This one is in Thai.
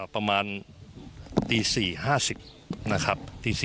ประมาณตี๔๕๐นะครับตี๔